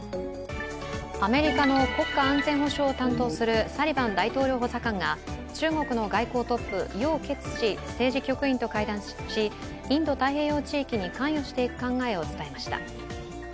アメリカの国家安全保障を担当するサリバン大統領補佐官が中国の外交トップ、楊潔チ政治局員と会談しインド太平洋地域に関与していく考えを伝えました。